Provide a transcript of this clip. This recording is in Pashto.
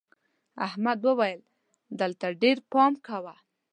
احمد وويل: دلته ډېر پام کوه.